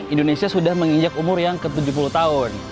indonesia sudah menginjak umur yang ke tujuh puluh tahun